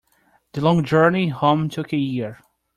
The long journey home took a year.